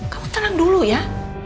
kamu tenang dulu ya